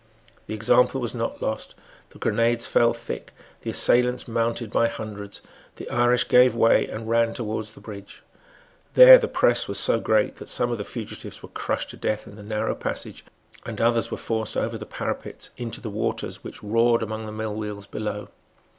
The example was not lost. The grenades fell thick. The assailants mounted by hundreds. The Irish gave way and ran towards the bridge. There the press was so great that some of the fugitives were crushed to death in the narrow passage, and others were forced over the parapets into the waters which roared among the mill wheels below.